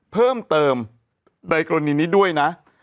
เพิ่มเติมในกรณีนี้ด้วยนะ